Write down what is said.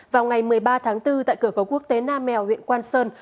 vào ngày một mươi ba tháng bốn tại cửa khẩu quốc tế nam mèo huyện quang sơn